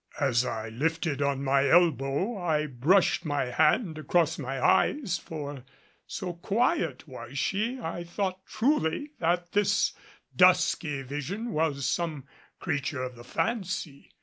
As I lifted on my elbow I brushed my hand across my eyes, for so quiet was she I thought truly that this dusky vision was some creature of the fancy.